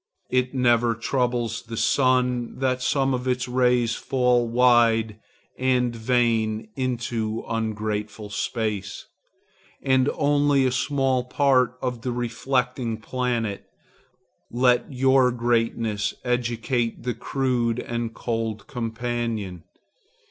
It never troubles the sun that some of his rays fall wide and vain into ungrateful space, and only a small part on the reflecting planet. Let your greatness educate the crude and cold companion.